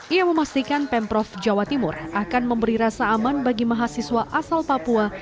ia memastikan pemprov jawa timur akan memberi rasa aman bagi mahasiswa asal papua